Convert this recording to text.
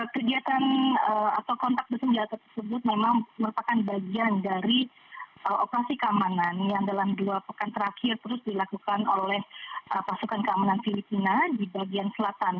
kegiatan atau kontak bersenjata tersebut memang merupakan bagian dari operasi keamanan yang dalam dua pekan terakhir terus dilakukan oleh pasukan keamanan filipina di bagian selatan